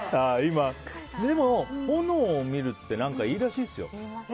でも、炎を見るっていいらしいですよ。